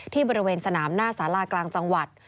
บริเวณสนามหน้าสารากลางจังหวัด